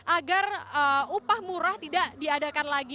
agar upah murah tidak diadakan lagi